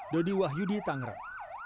dodi wahyudi tanggerang